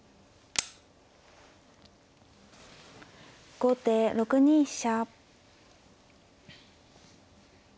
後手６二飛車。